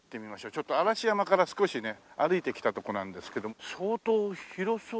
ちょっと嵐山から少しね歩いてきた所なんですけども相当広そうだよ。